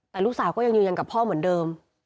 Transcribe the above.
แต่ลูกสาวก็ยังยืนยันกับพ่อเหมือนเดิม